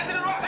tante dulu pak